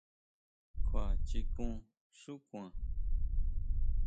¿Kjuachikun xu kuan?